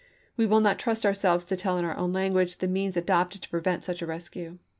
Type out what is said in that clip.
We will not trust ourselves to tell in our own language the means adopted to prevent such a rescue.